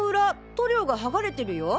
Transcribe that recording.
塗料がはがれてるよ。